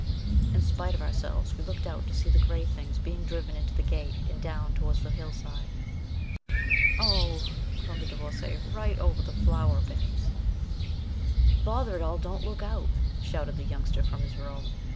In spite of ourselves, we looked out to see the gray things being driven into the gate, and down toward the hillside. "Oh," groaned the Divorcée, "right over the flower beds!" "Bother it all, don't look out," shouted the Youngster from his room.